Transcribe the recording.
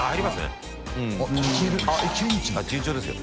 順調ですよ。